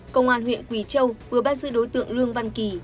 công an huyện quỳ châu vừa bắt giữ đối tượng lương văn kỳ